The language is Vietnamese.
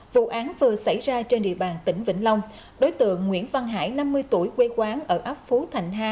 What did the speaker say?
vụ án vừa xảy ra trên địa bàn tỉnh vĩnh long đối tượng nguyễn văn hải năm mươi tuổi quê quán ở ấp phú thạnh hai